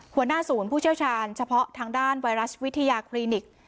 หัวหน้าศูนย์ผู้เชี่ยวชาญเฉพาะทางด้านไวรัสวิทยาคลินิก